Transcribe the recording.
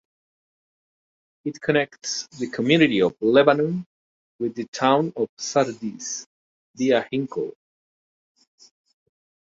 It connects the community of Lebanon with the town of Sardis via Hinkle.